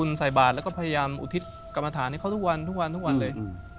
แล้วก็พยายามอุทิศกรรมฐานให้เค้าทุกวันทุกวันทุกวันเลย